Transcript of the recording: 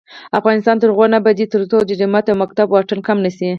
افغانستان تر هغو نه ابادیږي، ترڅو د جومات او مکتب واټن کم نشي.